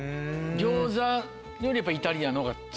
餃子よりやっぱイタリアンのほうが強い？